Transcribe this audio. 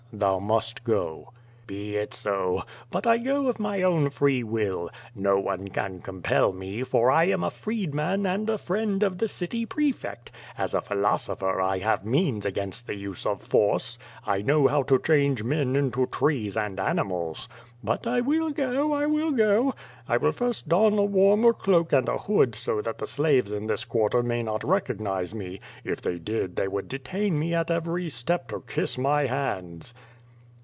Thou must go." "Be it so. But I go of my own free will. No one can com pel me, for I am a freedman and a friend of the city prefect. As a philosopher I have means against the use of force. £ know how to change men into trees and animals. But I will go, I will go. I will first don a warmer cloak and a hood so that the slaves in this quarter may not recognize me. If they did they would detain me at every step to kiss my hands."